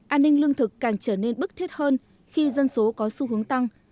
an ninh lương thực càng trở nên bức thiết hơn khi dân số có xu hướng tăng